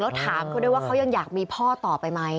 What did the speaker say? แล้วถามเขาด้วยว่าเขายังอยากมีพ่อต่อไปไหม